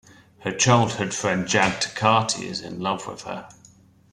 Her childhood friend Jad Takarty is in love with her.